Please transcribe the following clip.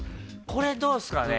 これはどうですかね。